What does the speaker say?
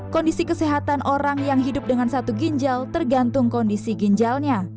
kondisi kesehatan orang yang hidup dengan satu ginjal tergantung kondisi ginjalnya